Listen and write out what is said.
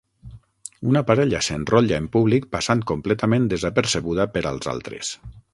Una parella s'enrotlla en públic passant completament desapercebuda per als altres.